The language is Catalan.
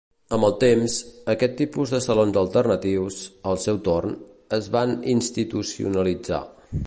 Amb el temps, aquest tipus de salons alternatius, al seu torn, es van institucionalitzar.